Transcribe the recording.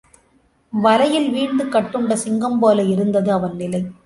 வலையில் வீழ்ந்து கட்டுண்ட சிங்கம்போல இருந்தது அவன் நிலை.